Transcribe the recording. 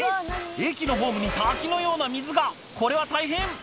駅のホームに滝のような水がこれは大変！